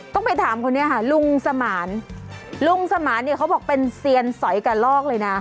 ต้องไปถามคนนี้ค่ะลุงสมานลุงสมานเนี่ยเขาบอกเป็นเซียนสอยกระลอกเลยนะ